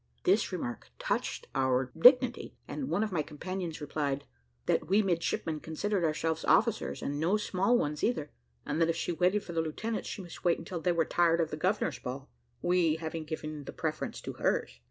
This remark touched our dignity, and one of my companions replied, "That we midshipmen considered ourselves officers, and no small ones either, and that if she waited for the lieutenants she must wait until they were tired of the governor's ball, we having given the preference to hers."